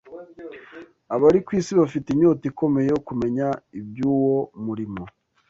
Abari ku isi bafite inyota ikomeye yo kumenya iby’uwo murimo,